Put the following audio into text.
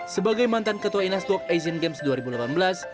sebagai mantan ketua inasdok asian games dua ribu delapan belas